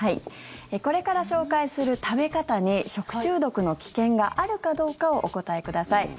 これから紹介する食べ方に食中毒の危険があるかどうかをお答えください。